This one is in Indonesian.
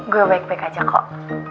gue baik baik aja kok